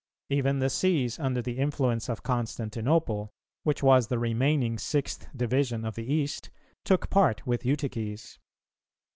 Even the Sees under the influence of Constantinople, which was the remaining sixth division of the East, took part with Eutyches.